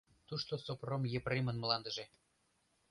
- Тушто Сопром Епремын мландыже.